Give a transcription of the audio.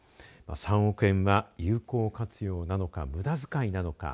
３億円は、有効活用なのかむだづかいなのか。